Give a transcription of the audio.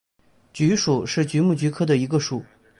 菊属是菊目菊科的一个属。